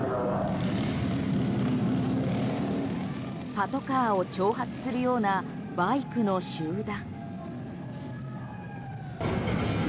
パトカーを挑発するようなバイクの集団。